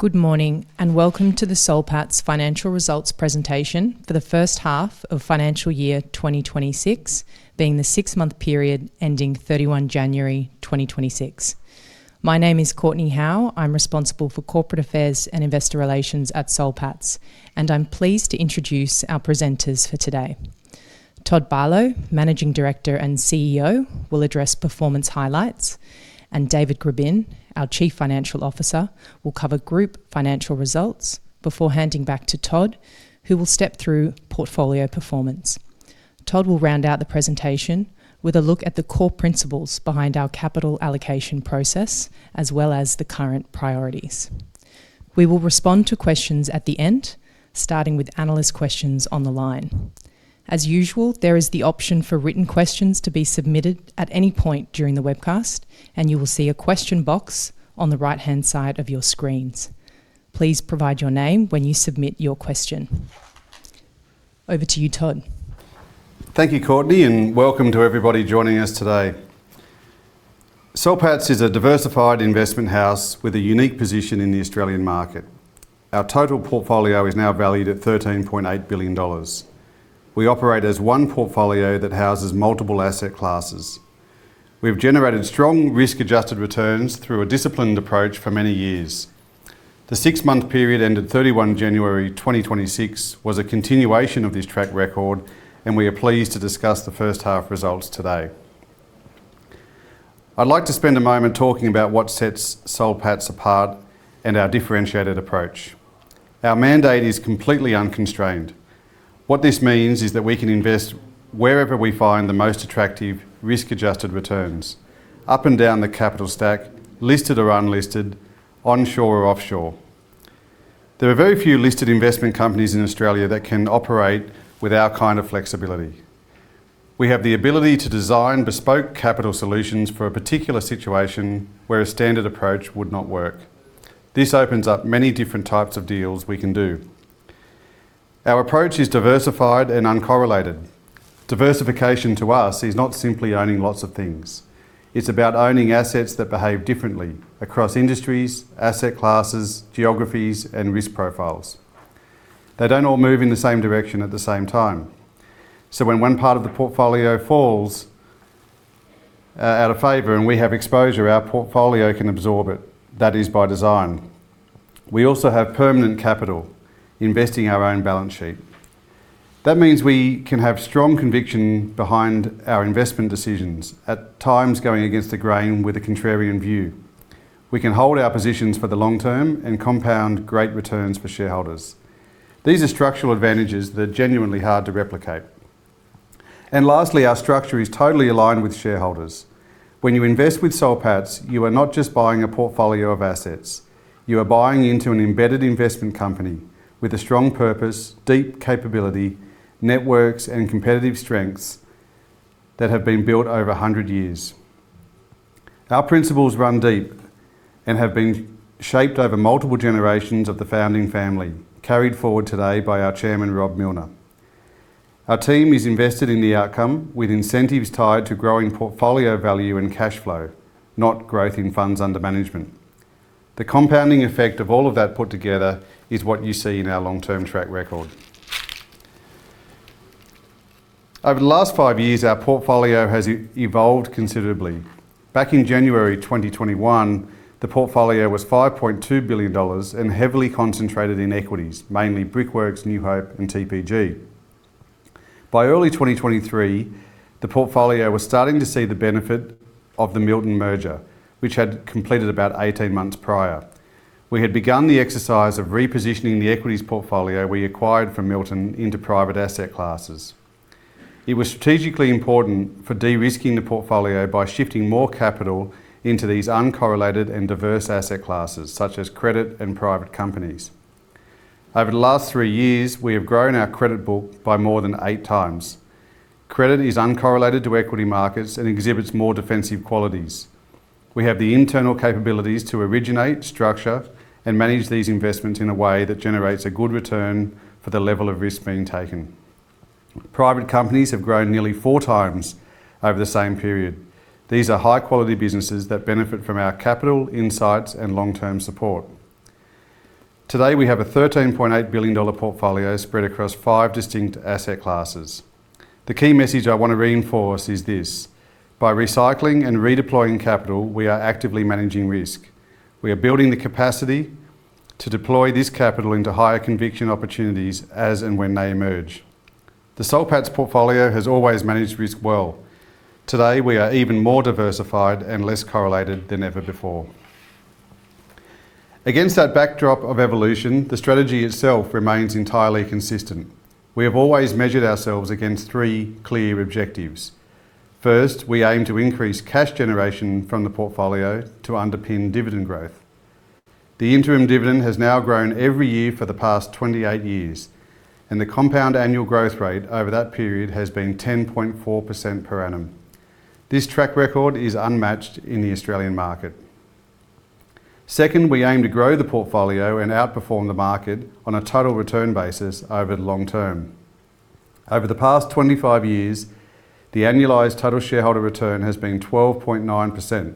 Good morning and welcome to the Soul Patts financial results presentation for the first half of financial year 2026, being the six-month period ending 31 January 2026. My name is Courtney Howe. I'm responsible for corporate affairs and investor relations at Soul Patts, and I'm pleased to introduce our presenters for today. Todd Barlow, Managing Director and CEO, will address performance highlights, and David Grbin, our Chief Financial Officer, will cover group financial results before handing back to Todd, who will step through portfolio performance. Todd will round out the presentation with a look at the core principles behind our capital allocation process, as well as the current priorities. We will respond to questions at the end, starting with analyst questions on the line. As usual, there is the option for written questions to be submitted at any point during the webcast, and you will see a question box on the right-hand side of your screens. Please provide your name when you submit your question. Over to you, Todd. Thank you, Courtney, and welcome to everybody joining us today. Soul Patts is a diversified investment house with a unique position in the Australian market. Our total portfolio is now valued at 13.8 billion dollars. We operate as one portfolio that houses multiple asset classes. We've generated strong risk-adjusted returns through a disciplined approach for many years. The six-month period ended 31 January 2026 was a continuation of this track record, and we are pleased to discuss the first half results today. I'd like to spend a moment talking about what sets Soul Patts apart and our differentiated approach. Our mandate is completely unconstrained. What this means is that we can invest wherever we find the most attractive risk-adjusted returns, up and down the capital stack, listed or unlisted, onshore or offshore. There are very few listed investment companies in Australia that can operate with our kind of flexibility. We have the ability to design bespoke capital solutions for a particular situation where a standard approach would not work. This opens up many different types of deals we can do. Our approach is diversified and uncorrelated. Diversification to us is not simply owning lots of things. It's about owning assets that behave differently across industries, asset classes, geographies, and risk profiles. They don't all move in the same direction at the same time. When one part of the portfolio falls out of favor and we have exposure, our portfolio can absorb it. That is by design. We also have permanent capital investing our own balance sheet. That means we can have strong conviction behind our investment decisions, at times going against the grain with a contrarian view. We can hold our positions for the long term and compound great returns for shareholders. These are structural advantages that are genuinely hard to replicate. Lastly, our structure is totally aligned with shareholders. When you invest with Soul Patts, you are not just buying a portfolio of assets. You are buying into an embedded investment company with a strong purpose, deep capability, networks, and competitive strengths that have been built over a hundred years. Our principles run deep and have been shaped over multiple generations of the founding family, carried forward today by our Chairman, Rob Millner. Our team is invested in the outcome with incentives tied to growing portfolio value and cash flow, not growth in funds under management. The compounding effect of all of that put together is what you see in our long-term track record. Over the last five years, our portfolio has evolved considerably. Back in January 2021, the portfolio was 5.2 billion dollars and heavily concentrated in equities, mainly Brickworks, New Hope, and TPG. By early 2023, the portfolio was starting to see the benefit of the Milton merger, which had completed about 18 months prior. We had begun the exercise of repositioning the equities portfolio we acquired from Milton into private asset classes. It was strategically important for de-risking the portfolio by shifting more capital into these uncorrelated and diverse asset classes, such as credit and private companies. Over the last three years, we have grown our credit book by more than 8x. Credit is uncorrelated to equity markets and exhibits more defensive qualities. We have the internal capabilities to originate, structure, and manage these investments in a way that generates a good return for the level of risk being taken. Private companies have grown nearly 4x over the same period. These are high-quality businesses that benefit from our capital, insights, and long-term support. Today, we have a 13.8 billion dollar portfolio spread across five distinct asset classes. The key message I want to reinforce is this. By recycling and redeploying capital, we are actively managing risk. We are building the capacity to deploy this capital into higher conviction opportunities as and when they emerge. The Soul Patts portfolio has always managed risk well. Today, we are even more diversified and less correlated than ever before. Against that backdrop of evolution, the strategy itself remains entirely consistent. We have always measured ourselves against three clear objectives. First, we aim to increase cash generation from the portfolio to underpin dividend growth. The interim dividend has now grown every year for the past 28 years, and the compound annual growth rate over that period has been 10.4% per annum. This track record is unmatched in the Australian market. Second, we aim to grow the portfolio and outperform the market on a total return basis over the long term. Over the past 25 years, the annualized total shareholder return has been 12.9%,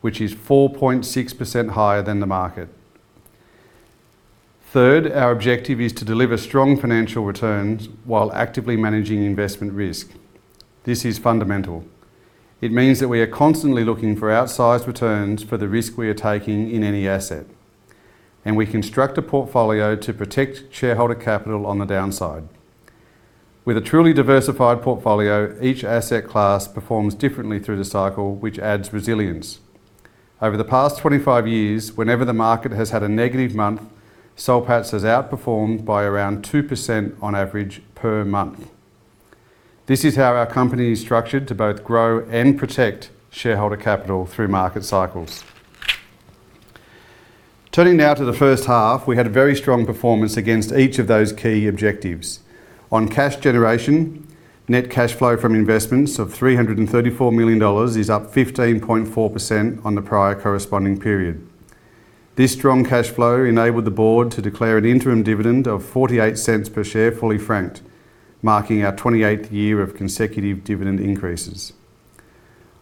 which is 4.6% higher than the market. Third, our objective is to deliver strong financial returns while actively managing investment risk. This is fundamental. It means that we are constantly looking for outsized returns for the risk we are taking in any asset, and we construct a portfolio to protect shareholder capital on the downside. With a truly diversified portfolio, each asset class performs differently through the cycle, which adds resilience. Over the past 25 years, whenever the market has had a negative month, Soul Patts has outperformed by around 2% on average per month. This is how our company is structured to both grow and protect shareholder capital through market cycles. Turning now to the first half, we had a very strong performance against each of those key objectives. On cash generation, net cash flow from investments of 334 million dollars is up 15.4% on the prior corresponding period. This strong cash flow enabled the board to declare an interim dividend of 0.48 per share, fully franked, marking our 28th year of consecutive dividend increases.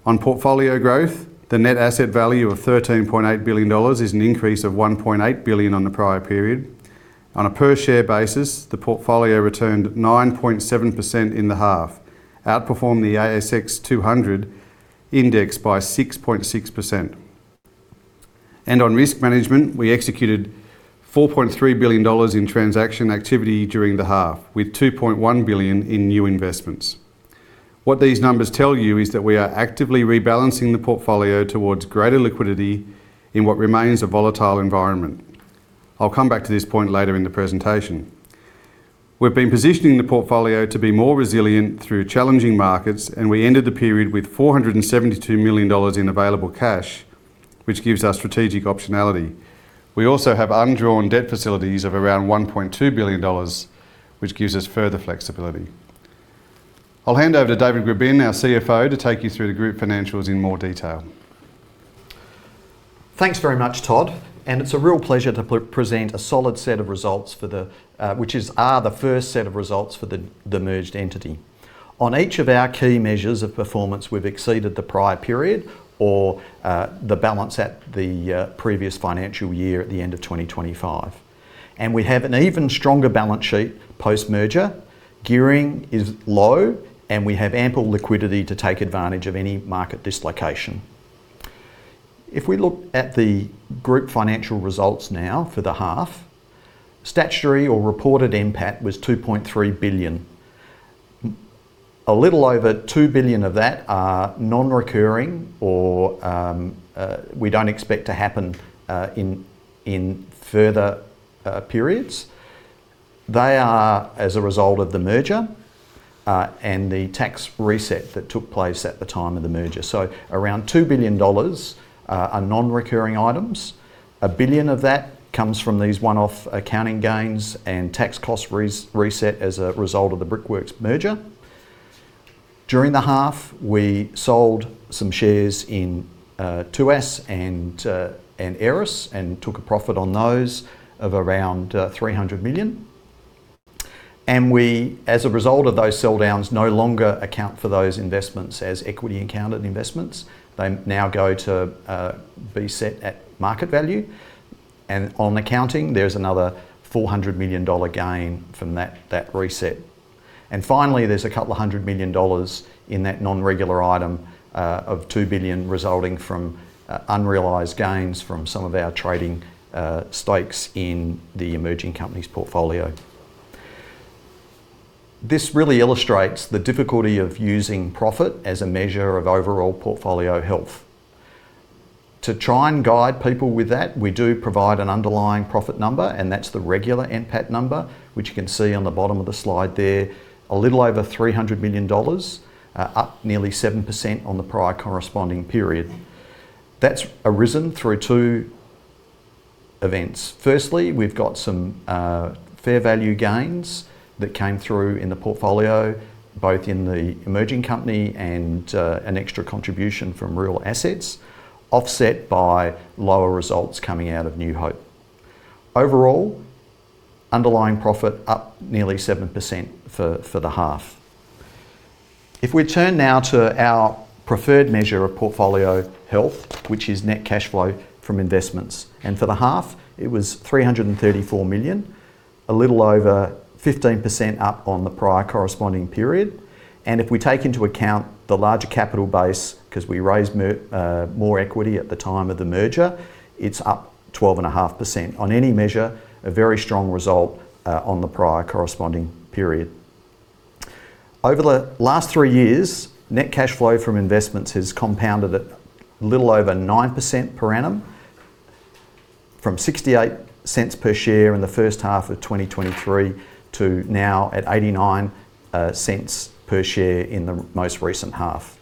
On portfolio growth, the net asset value of 13.8 billion dollars is an increase of 1.8 billion on the prior period. On a per share basis, the portfolio returned 9.7% in the half, outperformed the ASX 200 index by 6.6%. On risk management, we executed 4.3 billion dollars in transaction activity during the half, with 2.1 billion in new investments. What these numbers tell you is that we are actively rebalancing the portfolio towards greater liquidity in what remains a volatile environment. I'll come back to this point later in the presentation. We've been positioning the portfolio to be more resilient through challenging markets, and we ended the period with 472 million dollars in available cash, which gives us strategic optionality. We also have undrawn debt facilities of around 1.2 billion dollars, which gives us further flexibility. I'll hand over to David Grbin, our CFO, to take you through the group financials in more detail. Thanks very much, Todd, and it's a real pleasure to present a solid set of results, which are the first set of results for the merged entity. On each of our key measures of performance, we've exceeded the prior period or the balance sheet at the previous financial year end of 2025. We have an even stronger balance sheet post-merger. Gearing is low, and we have ample liquidity to take advantage of any market dislocation. If we look at the group financial results now for the half, statutory or reported NPAT was 2.3 billion. A little over 2 billion of that are non-recurring or we don't expect to happen in further periods. They are as a result of the merger and the tax reset that took place at the time of the merger. Around 2 billion dollars are non-recurring items. 1 billion of that comes from these one-off accounting gains and tax cost reset as a result of the Brickworks merger. During the half, we sold some shares in Tuas and Aeris and took a profit on those of around 300 million. We, as a result of those sell downs, no longer account for those investments as equity accounted investments. They now go to be set at market value. On accounting, there's another 400 million dollar gain from that reset. Finally, there's a couple of hundred million dollars in that non-regular item of 2 billion resulting from unrealized gains from some of our trading stakes in the emerging company's portfolio. This really illustrates the difficulty of using profit as a measure of overall portfolio health. To try and guide people with that, we do provide an underlying profit number, and that's the regular NPAT number, which you can see on the bottom of the slide there. A little over 300 million dollars, up nearly 7% on the prior corresponding period. That's arisen through two events. Firstly, we've got some fair value gains that came through in the portfolio, both in the emerging company and an extra contribution from rural assets, offset by lower results coming out of New Hope. Overall, underlying profit up nearly 7% for the half. If we turn now to our preferred measure of portfolio health, which is net cash flow from investments. For the half, it was 334 million, a little over 15% up on the prior corresponding period. If we take into account the larger capital base, 'cause we raised more equity at the time of the merger, it's up 12.5%. On any measure, a very strong result on the prior corresponding period. Over the last three years, net cash flow from investments has compounded at little over 9% per annum, from 0.68 per share in the first half of 2023 to now at 0.89 per share in the most recent half.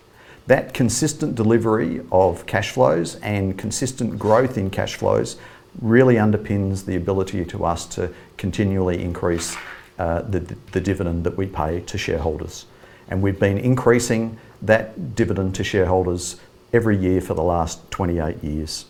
That consistent delivery of cash flows and consistent growth in cash flows really underpins the ability for us to continually increase the dividend that we pay to shareholders. We've been increasing that dividend to shareholders every year for the last 28 years.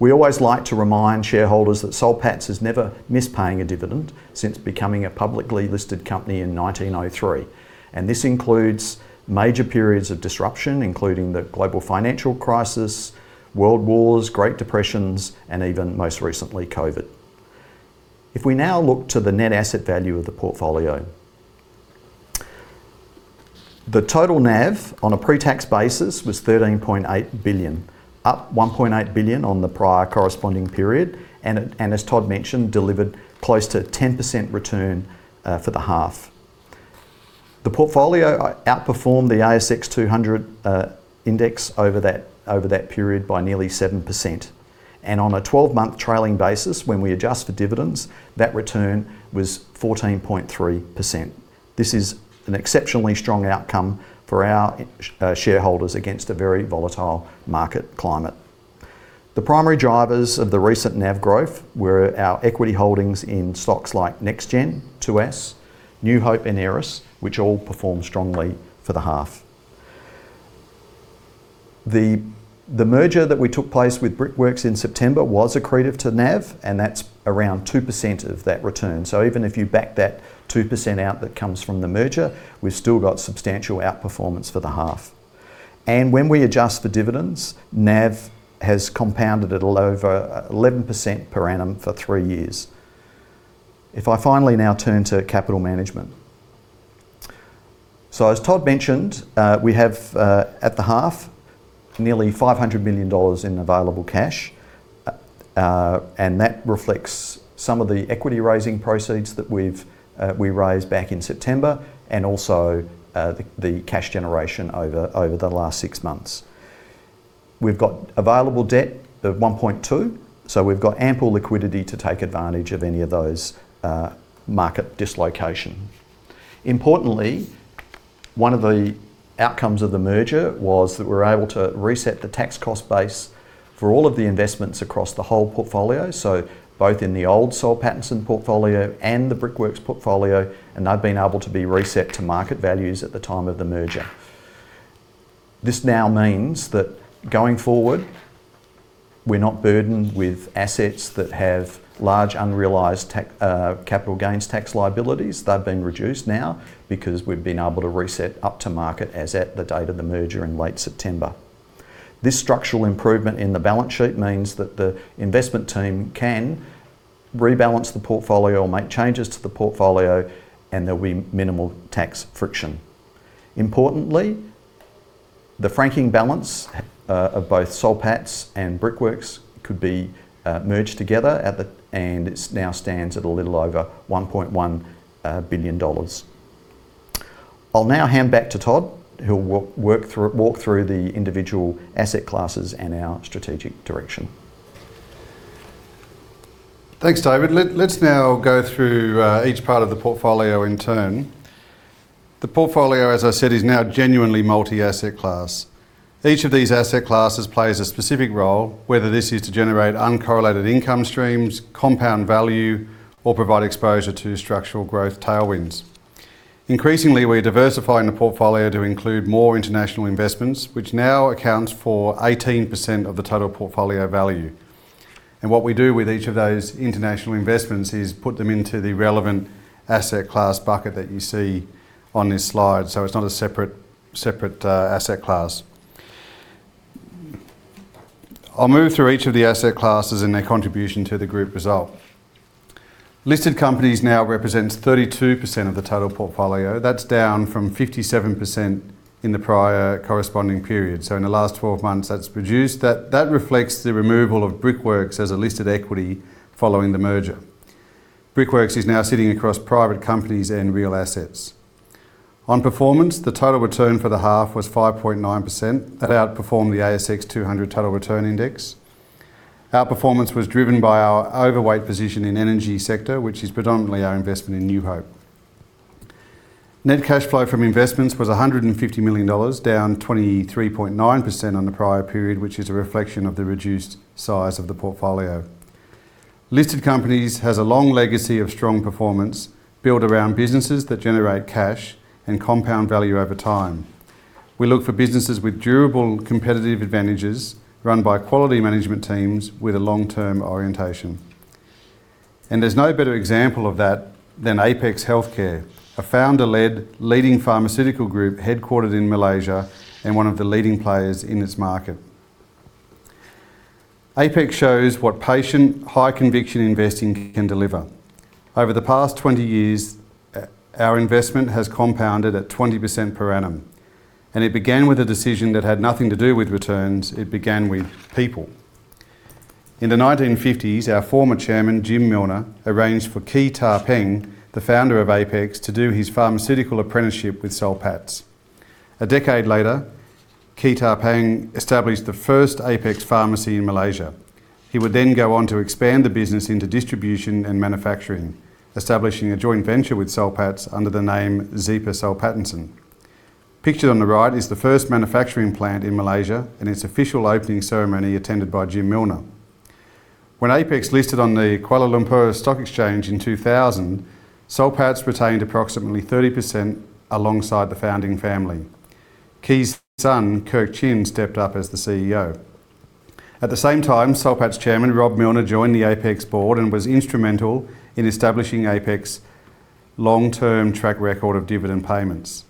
We always like to remind shareholders that Soul Patts has never missed paying a dividend since becoming a publicly listed company in 1903, and this includes major periods of disruption, including the global financial crisis, world wars, great depressions, and even most recently, COVID. If we now look to the net asset value of the portfolio. The total NAV on a pre-tax basis was 13.8 billion, up 1.8 billion on the prior corresponding period, and as Todd mentioned, delivered close to 10% return for the half. The portfolio outperformed the ASX 200 index over that period by nearly 7%. On a 12-month trailing basis, when we adjust for dividends, that return was 14.3%. This is an exceptionally strong outcome for our shareholders against a very volatile market climate. The primary drivers of the recent NAV growth were our equity holdings in stocks like NexGen, Tuas, New Hope and Aeris, which all performed strongly for the half. The merger that took place with Brickworks in September was accretive to NAV, and that's around 2% of that return. Even if you back that 2% out that comes from the merger, we've still got substantial outperformance for the half. When we adjust for dividends, NAV has compounded at a little over 11% per annum for three years. If I finally now turn to capital management. As Todd mentioned, we have at the half nearly 500 million dollars in available cash, and that reflects some of the equity raising proceeds that we've raised back in September and also the cash generation over the last six months. We've got available debt of 1.2 billion, so we've got ample liquidity to take advantage of any of those market dislocation. Importantly, one of the outcomes of the merger was that we're able to reset the tax cost base for all of the investments across the whole portfolio, so both in the old Soul Pattinson portfolio and the Brickworks portfolio, and they've been able to be reset to market values at the time of the merger. This now means that going forward, we're not burdened with assets that have large unrealized capital gains tax liabilities. They've been reduced now because we've been able to reset up to market as at the date of the merger in late September. This structural improvement in the balance sheet means that the investment team can rebalance the portfolio or make changes to the portfolio, and there'll be minimal tax friction. Importantly, the franking balance of both Soul Patts and Brickworks could be merged together, and it now stands at a little over 1.1 billion dollars. I'll now hand back to Todd, who'll walk through the individual asset classes and our strategic direction. Thanks, David. Let's now go through each part of the portfolio in turn. The portfolio, as I said, is now genuinely multi-asset class. Each of these asset classes plays a specific role, whether this is to generate uncorrelated income streams, compound value, or provide exposure to structural growth tailwinds. Increasingly, we're diversifying the portfolio to include more international investments, which now accounts for 18% of the total portfolio value. What we do with each of those international investments is put them into the relevant asset class bucket that you see on this slide, so it's not a separate asset class. I'll move through each of the asset classes and their contribution to the group result. Listed companies now represents 32% of the total portfolio. That's down from 57% in the prior corresponding period. In the last 12 months, that's produced. That reflects the removal of Brickworks as a listed equity following the merger. Brickworks is now sitting across private companies and real assets. On performance, the total return for the half was 5.9%. That outperformed the ASX 200 total return index. Outperformance was driven by our overweight position in energy sector, which is predominantly our investment in New Hope. Net cash flow from investments was 150 million dollars, down 23.9% on the prior period, which is a reflection of the reduced size of the portfolio. Listed companies has a long legacy of strong performance built around businesses that generate cash and compound value over time. We look for businesses with durable competitive advantages run by quality management teams with a long-term orientation. There's no better example of that than Apex Healthcare, a founder-led leading pharmaceutical group headquartered in Malaysia and one of the leading players in its market. Apex shows what patient, high-conviction investing can deliver. Over the past 20 years, our investment has compounded at 20% per annum, and it began with a decision that had nothing to do with returns. It began with people. In the 1950s, our former Chairman, Jim Millner, arranged for Kee Tah Peng, the founder of Apex, to do his pharmaceutical apprenticeship with Soul Patts. A decade later, Kee Tah Peng established the first Apex pharmacy in Malaysia. He would then go on to expand the business into distribution and manufacturing, establishing a joint venture with Soul Patts under the name Xepa-Soul Pattinson. Pictured on the right is the first manufacturing plant in Malaysia and its official opening ceremony attended by Jim Millner. When Apex listed on the Kuala Lumpur Stock Exchange in 2000, Soul Patts retained approximately 30% alongside the founding family. Kee's son, Kirk Chin, stepped up as the CEO. At the same time, Soul Patts Chairman, Rob Millner, joined the Apex board and was instrumental in establishing Apex long-term track record of dividend payments.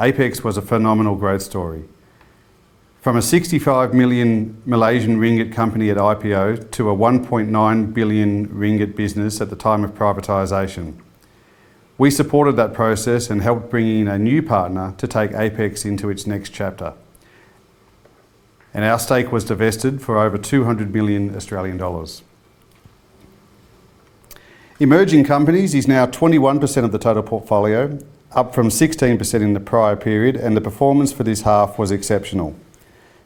Apex was a phenomenal growth story. From a 65 million Malaysian ringgit company at IPO to a 1.9 billion ringgit business at the time of privatization, we supported that process and helped bring in a new partner to take Apex into its next chapter. Our stake was divested for over 200 million Australian dollars. Emerging companies is now 21% of the total portfolio, up from 16% in the prior period, and the performance for this half was exceptional.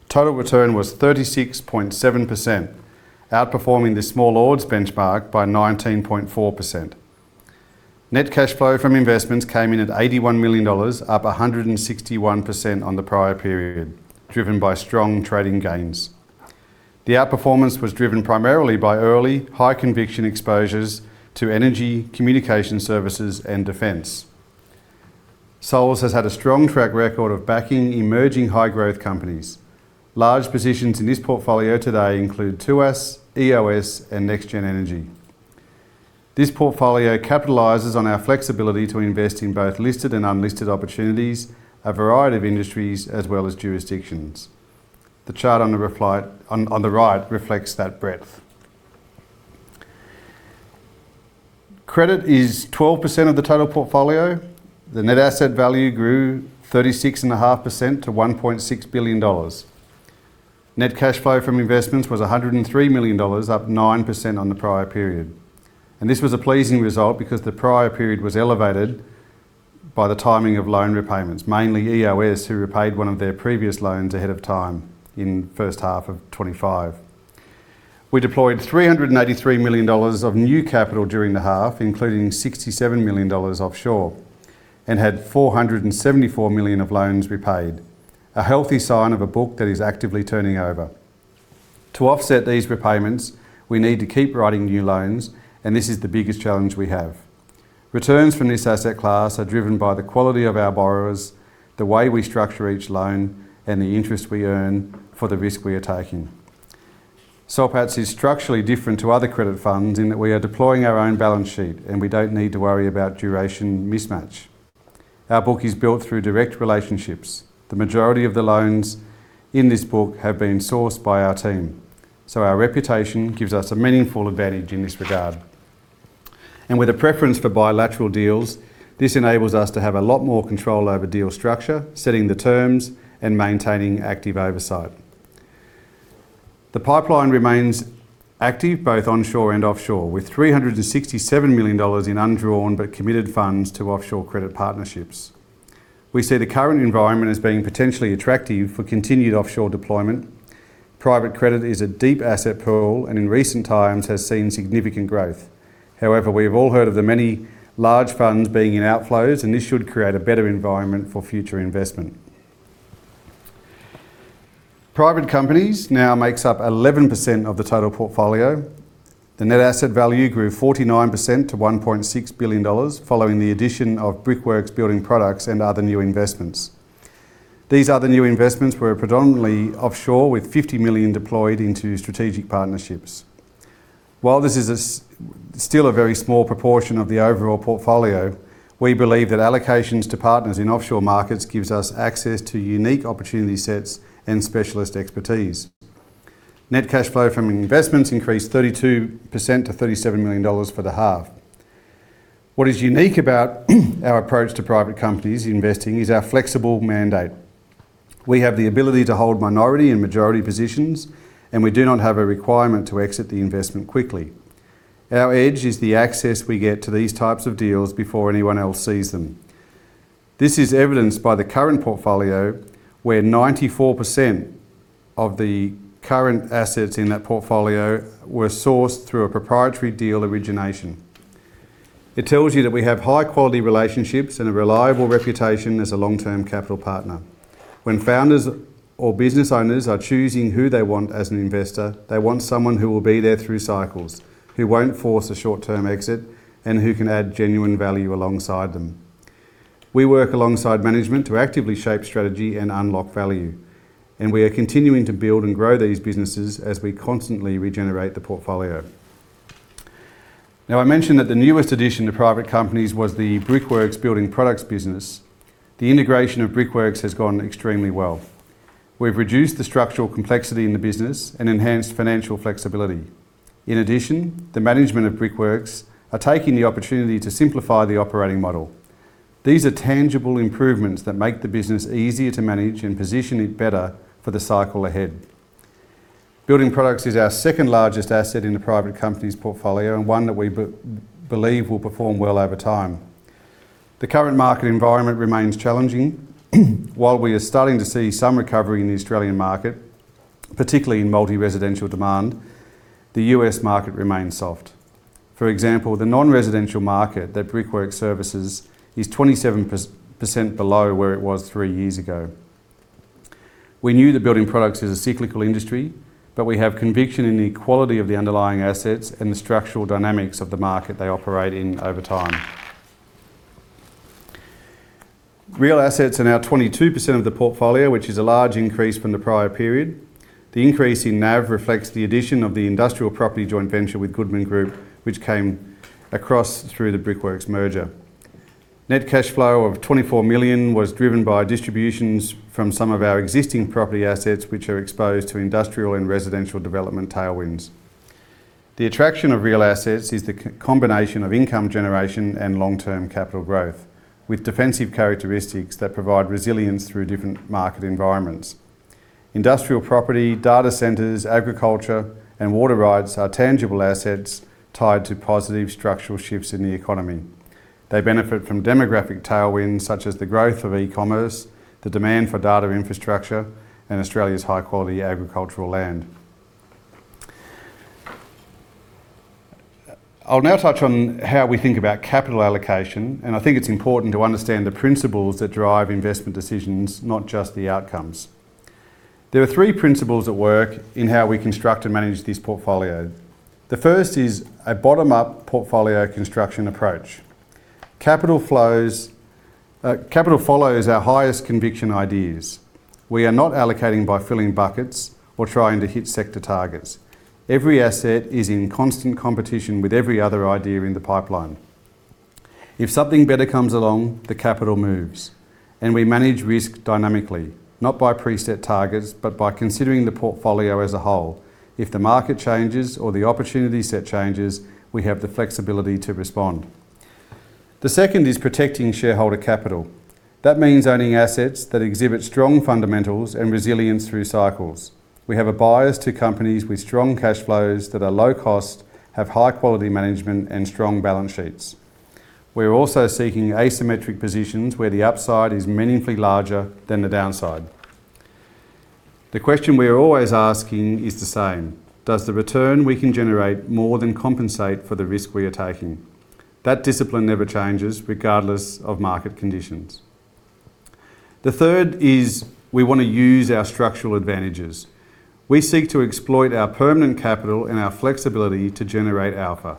Total return was 36.7%, outperforming the Small Ords benchmark by 19.4%. Net cash flow from investments came in at 81 million dollars, up 161% on the prior period, driven by strong trading gains. The outperformance was driven primarily by early, high conviction exposures to energy, communication services, and defense. Soul Patts has had a strong track record of backing emerging high growth companies. Large positions in this portfolio today include Tuas, EOS, and NextGen Energy. This portfolio capitalizes on our flexibility to invest in both listed and unlisted opportunities, a variety of industries, as well as jurisdictions. The chart on the right reflects that breadth. Credit is 12% of the total portfolio. The net asset value grew 36.5% to 1.6 billion dollars. Net cash flow from investments was 103 million dollars, up 9% on the prior period. This was a pleasing result because the prior period was elevated by the timing of loan repayments, mainly EOS, who repaid one of their previous loans ahead of time in first half of 2025. We deployed 383 million dollars of new capital during the half, including 67 million dollars offshore, and had 474 million of loans repaid, a healthy sign of a book that is actively turning over. To offset these repayments, we need to keep writing new loans, and this is the biggest challenge we have. Returns from this asset class are driven by the quality of our borrowers, the way we structure each loan, and the interest we earn for the risk we are taking. Soul Patts is structurally different to other credit funds in that we are deploying our own balance sheet, and we don't need to worry about duration mismatch. Our book is built through direct relationships. The majority of the loans in this book have been sourced by our team, so our reputation gives us a meaningful advantage in this regard. With a preference for bilateral deals, this enables us to have a lot more control over deal structure, setting the terms, and maintaining active oversight. The pipeline remains active both onshore and offshore with 367 million dollars in undrawn but committed funds to offshore credit partnerships. We see the current environment as being potentially attractive for continued offshore deployment. Private credit is a deep asset pool, and in recent times has seen significant growth. However, we have all heard of the many large funds being in outflows, and this should create a better environment for future investment. Private companies now makes up 11% of the total portfolio. The net asset value grew 49% to 1.6 billion dollars following the addition of Brickworks building products and other new investments. These other new investments were predominantly offshore with 50 million deployed into strategic partnerships. While this is still a very small proportion of the overall portfolio, we believe that allocations to partners in offshore markets gives us access to unique opportunity sets and specialist expertise. Net cash flow from investments increased 32% to 37 million dollars for the half. What is unique about our approach to private companies investing is our flexible mandate. We have the ability to hold minority and majority positions, and we do not have a requirement to exit the investment quickly. Our edge is the access we get to these types of deals before anyone else sees them. This is evidenced by the current portfolio, where 94% of the current assets in that portfolio were sourced through a proprietary deal origination. It tells you that we have high quality relationships and a reliable reputation as a long-term capital partner. When founders or business owners are choosing who they want as an investor, they want someone who will be there through cycles, who won't force a short-term exit, and who can add genuine value alongside them. We work alongside management to actively shape strategy and unlock value, and we are continuing to build and grow these businesses as we constantly regenerate the portfolio. Now I mentioned that the newest addition to private companies was the Brickworks building products business. The integration of Brickworks has gone extremely well. We've reduced the structural complexity in the business and enhanced financial flexibility. In addition, the management of Brickworks are taking the opportunity to simplify the operating model. These are tangible improvements that make the business easier to manage and position it better for the cycle ahead. Building products is our second-largest asset in the private company's portfolio and one that we believe will perform well over time. The current market environment remains challenging. While we are starting to see some recovery in the Australian market, particularly in multi-residential demand, the U.S. market remains soft. For example, the non-residential market that Brickworks services is 27% below where it was three years ago. We knew that building products is a cyclical industry, but we have conviction in the quality of the underlying assets and the structural dynamics of the market they operate in over time. Real assets are now 22% of the portfolio, which is a large increase from the prior period. The increase in NAV reflects the addition of the industrial property joint venture with Goodman Group, which came across through the Brickworks merger. Net cash flow of 24 million was driven by distributions from some of our existing property assets, which are exposed to industrial and residential development tailwinds. The attraction of real assets is the combination of income generation and long-term capital growth, with defensive characteristics that provide resilience through different market environments. Industrial property, data centers, agriculture, and water rights are tangible assets tied to positive structural shifts in the economy. They benefit from demographic tailwinds such as the growth of e-commerce, the demand for data infrastructure, and Australia's high-quality agricultural land. I'll now touch on how we think about capital allocation, and I think it's important to understand the principles that drive investment decisions, not just the outcomes. There are three principles at work in how we construct and manage this portfolio. The first is a bottom-up portfolio construction approach. Capital follows our highest conviction ideas. We are not allocating by filling buckets or trying to hit sector targets. Every asset is in constant competition with every other idea in the pipeline. If something better comes along, the capital moves, and we manage risk dynamically, not by preset targets, but by considering the portfolio as a whole. If the market changes or the opportunity set changes, we have the flexibility to respond. The second is protecting shareholder capital. That means owning assets that exhibit strong fundamentals and resilience through cycles. We have a bias to companies with strong cash flows that are low cost, have high-quality management, and strong balance sheets. We're also seeking asymmetric positions where the upside is meaningfully larger than the downside. The question we are always asking is the same. Does the return we can generate more than compensate for the risk we are taking? That discipline never changes regardless of market conditions. The third is we want to use our structural advantages. We seek to exploit our permanent capital and our flexibility to generate alpha.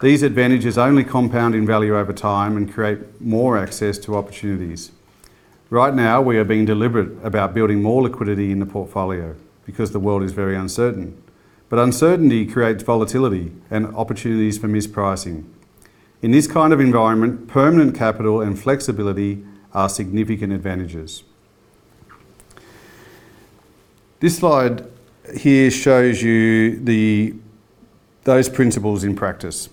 These advantages only compound in value over time and create more access to opportunities. Right now, we are being deliberate about building more liquidity in the portfolio because the world is very uncertain. Uncertainty creates volatility and opportunities for mispricing. In this kind of environment, permanent capital and flexibility are significant advantages. This slide here shows you those principles in practice.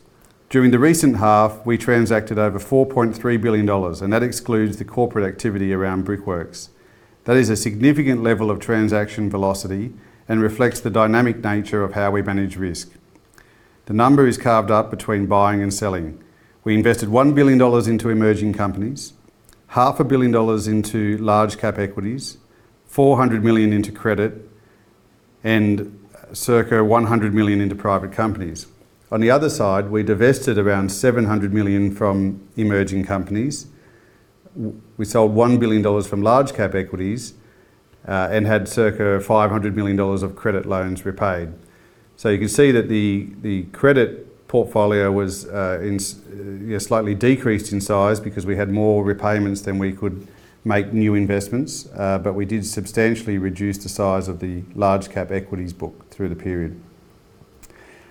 During the recent half, we transacted over 4.3 billion dollars, and that excludes the corporate activity around Brickworks. That is a significant level of transaction velocity and reflects the dynamic nature of how we manage risk. The number is carved up between buying and selling. We invested 1 billion dollars into emerging companies, AUD half a billion dollars into large cap equities, 400 million into credit, and circa 100 million into private companies. On the other side, we divested around 700 million from emerging companies. We sold 1 billion dollars from large cap equities and had circa 500 million dollars of credit loans repaid. You can see that the credit portfolio was you know, slightly decreased in size because we had more repayments than we could make new investments, but we did substantially reduce the size of the large cap equities book through the period.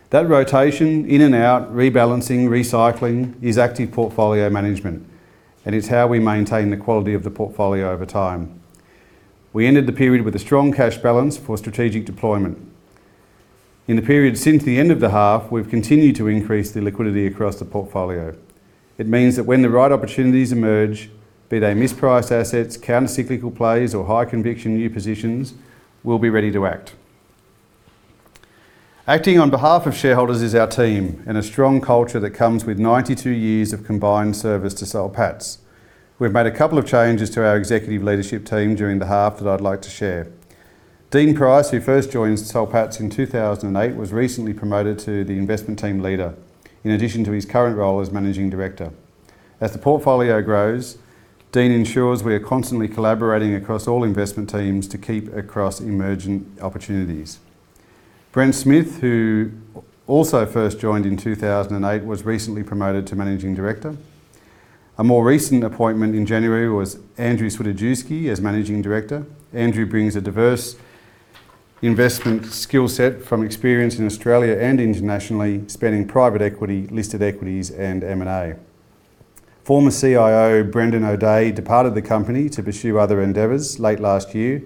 That rotation in and out, rebalancing, recycling is active portfolio management and is how we maintain the quality of the portfolio over time. We ended the period with a strong cash balance for strategic deployment. In the period since the end of the half, we've continued to increase the liquidity across the portfolio. It means that when the right opportunities emerge, be they mispriced assets, counter-cyclical plays, or high conviction new positions, we'll be ready to act. Acting on behalf of shareholders is our team and a strong culture that comes with 92 years of combined service to Soul Patts. We've made a couple of changes to our executive leadership team during the half that I'd like to share. Dean Price, who first joined Soul Patts in 2008, was recently promoted to Investment Team Leader in addition to his current role as Managing Director. As the portfolio grows, Dean ensures we are constantly collaborating across all investment teams to keep across emerging opportunities. Brent Smith, who also first joined in 2008, was recently promoted to Managing Director. A more recent appointment in January was Andrew Switajewski as Managing Director. Andrew brings a diverse investment skill set from experience in Australia and internationally, spanning private equity, listed equities, and M&A. Former CIO Brendan O'Dea departed the company to pursue other endeavors late last year,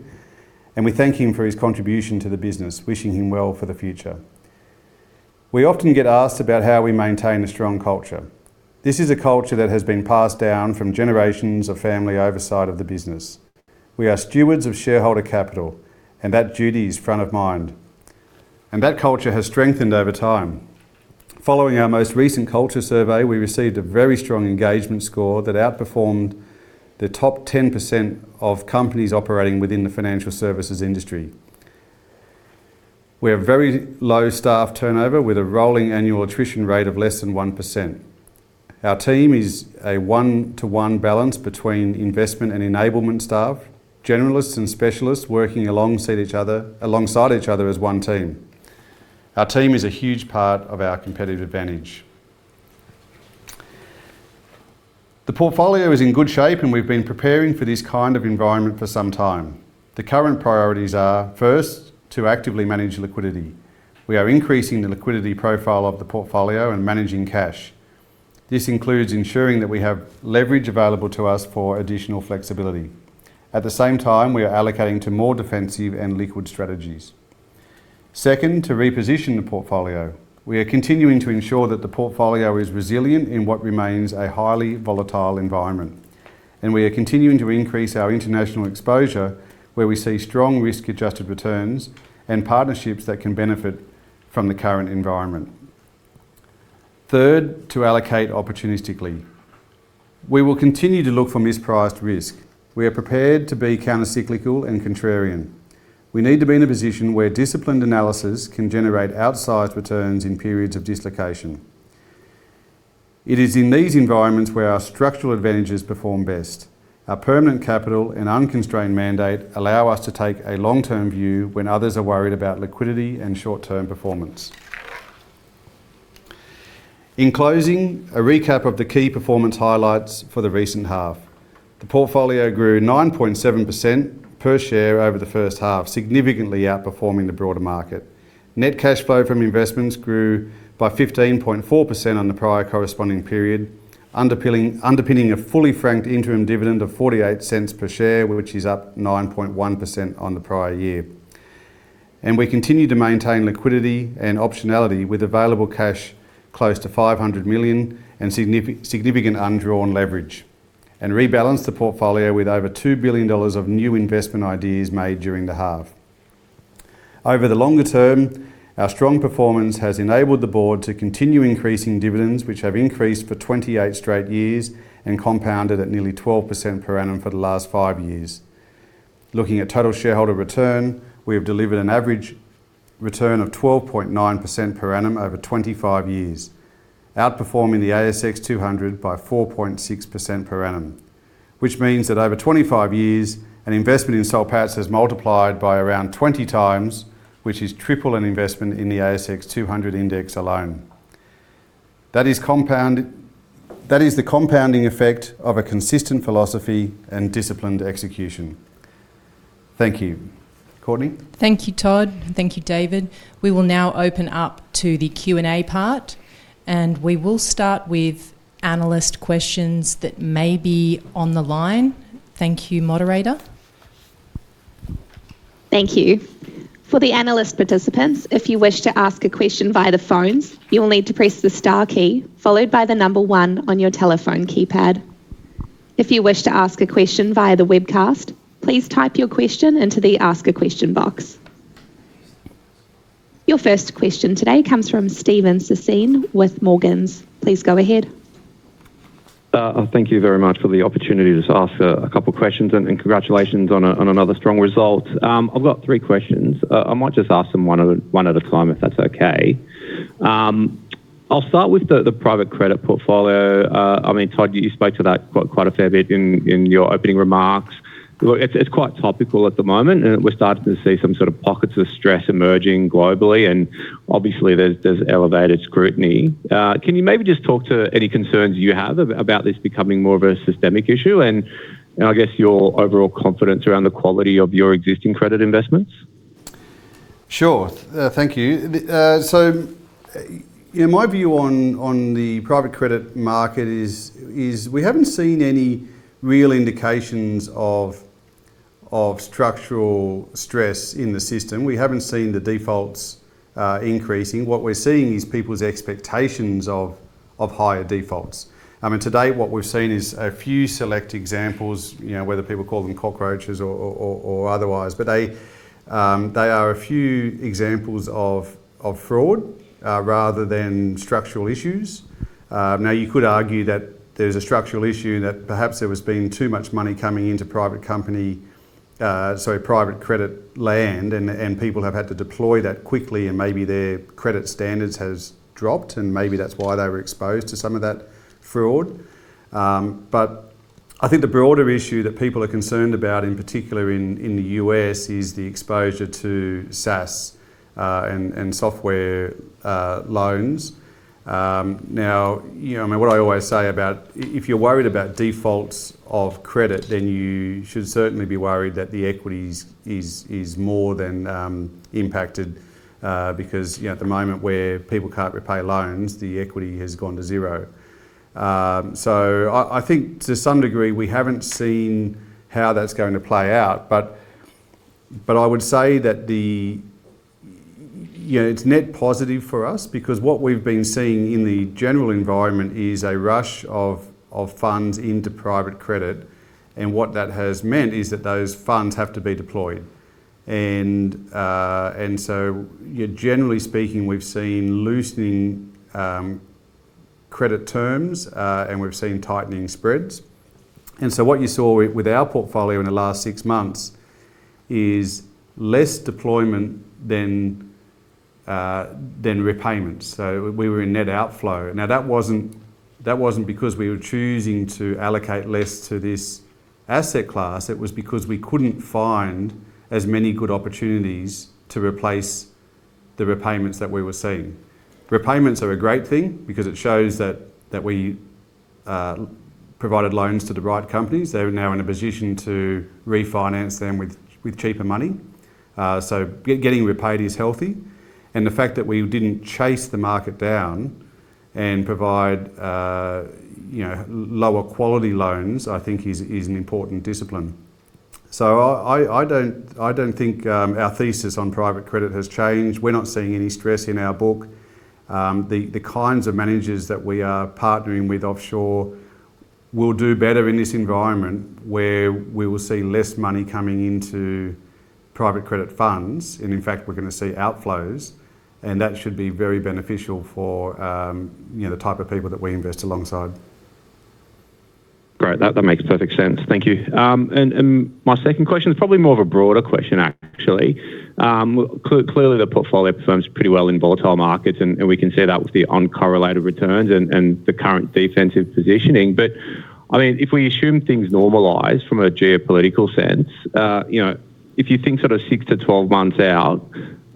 and we thank him for his contribution to the business, wishing him well for the future. We often get asked about how we maintain a strong culture? This is a culture that has been passed down from generations of family oversight of the business. We are stewards of shareholder capital, and that duty is front of mind, and that culture has strengthened over time. Following our most recent culture survey, we received a very strong engagement score that outperformed the top 10% of companies operating within the financial services industry. We have very low staff turnover with a rolling annual attrition rate of less than 1%. Our team is a one-to-one balance between investment and enablement staff, generalists and specialists working alongside each other as one team. Our team is a huge part of our competitive advantage. The portfolio is in good shape, and we've been preparing for this kind of environment for some time. The current priorities are, first, to actively manage liquidity. We are increasing the liquidity profile of the portfolio and managing cash. This includes ensuring that we have leverage available to us for additional flexibility. At the same time, we are allocating to more defensive and liquid strategies. Second, to reposition the portfolio. We are continuing to ensure that the portfolio is resilient in what remains a highly volatile environment, and we are continuing to increase our international exposure where we see strong risk-adjusted returns and partnerships that can benefit from the current environment. Third, to allocate opportunistically. We will continue to look for mispriced risk. We are prepared to be countercyclical and contrarian. We need to be in a position where disciplined analysis can generate outsized returns in periods of dislocation. It is in these environments where our structural advantages perform best. Our permanent capital and unconstrained mandate allow us to take a long-term view when others are worried about liquidity and short-term performance. In closing, a recap of the key performance highlights for the recent half. The portfolio grew 9.7% per share over the first half, significantly outperforming the broader market. Net cash flow from investments grew by 15.4% on the prior corresponding period, underpinning a fully franked interim dividend of 0.48 per share, which is up 9.1% on the prior year. We continue to maintain liquidity and optionality with available cash close to 500 million and significant undrawn leverage, and rebalance the portfolio with over 2 billion dollars of new investment ideas made during the half. Over the longer term, our strong performance has enabled the board to continue increasing dividends, which have increased for 28 straight years and compounded at nearly 12% per annum for the last five years. Looking at total shareholder return, we have delivered an average return of 12.9% per annum over 25 years, outperforming the ASX 200 by 4.6% per annum, which means that over 25 years, an investment in Soul Patts has multiplied by around 20x, which is triple an investment in the ASX 200 index alone. That is the compounding effect of a consistent philosophy and disciplined execution. Thank you. Courtney? Thank you, Todd. Thank you, David. We will now open up to the Q&A part, and we will start with analyst questions that may be on the line. Thank you, moderator? Thank you. For the analyst participants, if you wish to ask a question via the phones, you will need to press the star key followed by the number one on your telephone keypad. If you wish to ask a question via the webcast, please type your question into the Ask a Question box. Your first question today comes from Steven Sassine with Morgans. Please go ahead. Thank you very much for the opportunity to ask a couple of questions and congratulations on another strong result. I've got three questions. I might just ask them one at a time, if that's okay. I'll start with the private credit portfolio. I mean, Todd, you spoke to that quite a fair bit in your opening remarks. Look, it's quite topical at the moment, and we're starting to see some sort of pockets of stress emerging globally, and obviously there's elevated scrutiny. Can you maybe just talk to any concerns you have about this becoming more of a systemic issue and I guess your overall confidence around the quality of your existing credit investments? Sure. Thank you. You know, my view on the private credit market is we haven't seen any real indications of structural stress in the system. We haven't seen the defaults increasing. What we're seeing is people's expectations of higher defaults. I mean, today what we've seen is a few select examples, you know, whether people call them cockroaches or otherwise. They are a few examples of fraud rather than structural issues. Now you could argue that there's a structural issue that perhaps there has been too much money coming into private company, sorry, private credit land and people have had to deploy that quickly and maybe their credit standards has dropped, and maybe that's why they were exposed to some of that fraud. I think the broader issue that people are concerned about, in particular in the U.S., is the exposure to SaaS and software loans. You know, I mean, what I always say about if you're worried about defaults of credit, then you should certainly be worried that the equities is more than impacted, because, you know, at the moment where people can't repay loans, the equity has gone to zero. I think to some degree we haven't seen how that's going to play out, but I would say that. You know, it's net positive for us because what we've been seeing in the general environment is a rush of funds into private credit, and what that has meant is that those funds have to be deployed. You know, generally speaking, we've seen loosening credit terms, and we've seen tightening spreads. What you saw with our portfolio in the last six months is less deployment than repayments. We were in net outflow. Now that wasn't because we were choosing to allocate less to this asset class, it was because we couldn't find as many good opportunities to replace the repayments that we were seeing. Repayments are a great thing because it shows that we provided loans to the right companies. They're now in a position to refinance them with cheaper money. Getting repaid is healthy, and the fact that we didn't chase the market down and provide, you know, lower quality loans, I think is an important discipline. I don't think our thesis on private credit has changed. We're not seeing any stress in our book. The kinds of managers that we are partnering with offshore will do better in this environment where we will see less money coming into private credit funds, and in fact, we're gonna see outflows, and that should be very beneficial for, you know, the type of people that we invest alongside. Great. That makes perfect sense. Thank you. My second question is probably more of a broader question actually. Clearly the portfolio performs pretty well in volatile markets, and we can see that with the uncorrelated returns and the current defensive positioning. I mean, if we assume things normalize from a geopolitical sense, you know, if you think sort of six to 12 months out,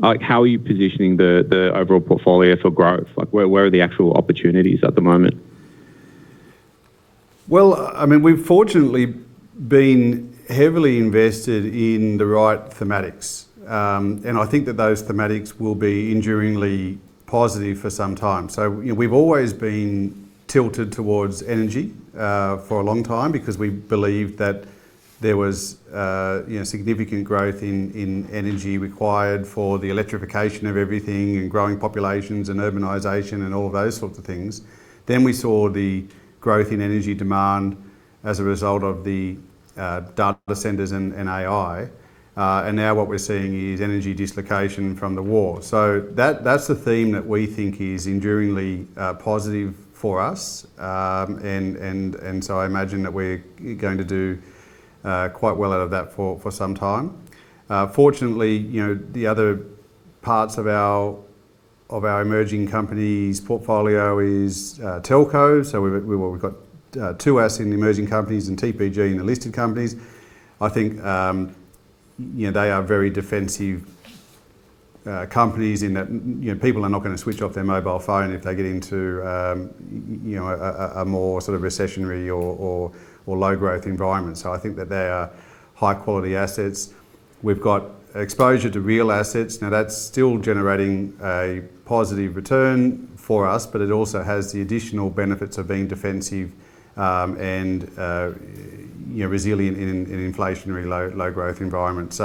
like how are you positioning the overall portfolio for growth? Like where are the actual opportunities at the moment? Well, I mean, we've fortunately been heavily invested in the right themes. I think that those themes will be enduringly positive for some time. You know, we've always been tilted towards energy for a long time because we believed that there was you know, significant growth in energy required for the electrification of everything and growing populations and urbanization and all those sorts of things. We saw the growth in energy demand as a result of the data centers and AI. Now what we're seeing is energy dislocation from the war. That's the theme that we think is enduringly positive for us. I imagine that we're going to do quite well out of that for some time. Fortunately, you know, the other parts of our of our emerging companies portfolio is telco. We've got two assets in the emerging companies and TPG in the listed companies. I think, you know, they are very defensive companies in that, you know, people are not gonna switch off their mobile phone if they get into, you know, a more sort of recessionary or low growth environment. I think that they are high-quality assets. We've got exposure to real assets. Now that's still generating a positive return for us, but it also has the additional benefits of being defensive and, you know, resilient in an inflationary low growth environment.